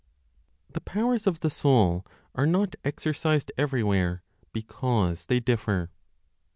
THE POWERS OF THE SOUL ARE NOT EXERCISED EVERYWHERE BECAUSE THEY DIFFER.